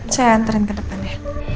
saya anterin ke depannya